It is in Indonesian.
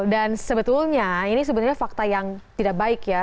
dan sebetulnya ini sebenarnya fakta yang tidak baik ya